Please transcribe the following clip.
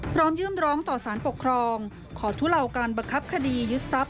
พร้อมยื่นร้องต่อสารปกครองขอทุเลาการบังคับคดียึดทรัพย